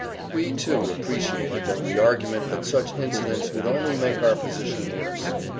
[Pg 146]We, too, appreciated the argument that such incidents would only make our position worse.